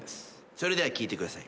それでは聴いてください。